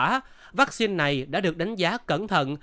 các vaccine này đã được đánh giá cẩn thận